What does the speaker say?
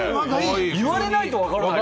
言われないとわからない。